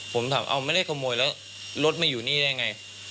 ผมถามเอาไม่ได้ขโมยแล้วรถไม่อยู่นี่ได้ไง